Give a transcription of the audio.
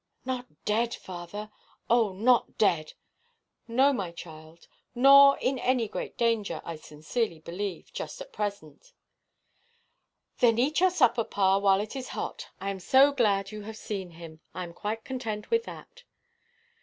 "Not dead, father? Oh, not dead?" "No, my child; nor in any great danger, I sincerely believe, just at present." "Then eat your supper, pa, while it is hot. I am so glad you have seen him. I am quite content with that."